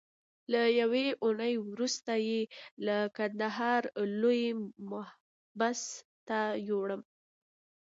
له یوې اونۍ وروسته یې د کندهار لوی محبس ته یووړم.